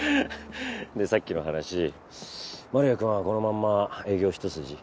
でさっきの話丸谷くんはこのまんま営業一筋？